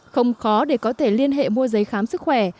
không khó để có thể liên hệ mua giấy khám sức khỏe